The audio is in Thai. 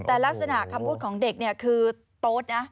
แต่ลักษณะคำพูดของเด็กเนี่ยคือโต๊ดนะ